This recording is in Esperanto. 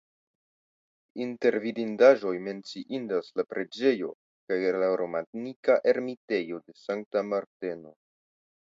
Inter vidindaĵoj menciindas la preĝejo kaj la romanika ermitejo de Sankta Marteno.